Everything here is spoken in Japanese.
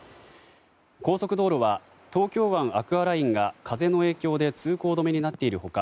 高速道路は東京湾アクアラインが風の影響で通行止めになっている他